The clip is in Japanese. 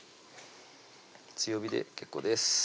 強火で結構です